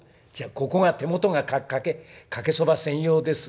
ここが手元が欠け『かけそば専用です』？